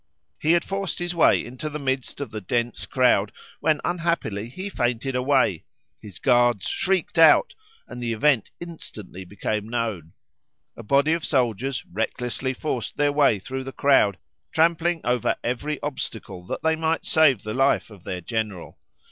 He had forced his way into the midst of the dense crowd, when unhappily he fainted away; his guards shrieked out, and the event instantly became known. A body of soldiers recklessly forced their way through the crowd, trampling over every obstacle that they might save the life of their general.